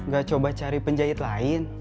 gak coba cari penjahit lain